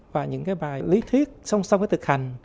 và những cái bài lý thuyết xong xong với thực hành